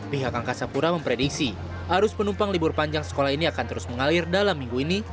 pihak angkasa pura memprediksi arus penumpang libur panjang sekolah ini akan terus mengalir dalam minggu ini